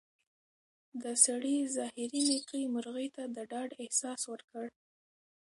د سړي ظاهري نېکۍ مرغۍ ته د ډاډ احساس ورکړ.